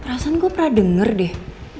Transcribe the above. perasaan gue pernah denger deh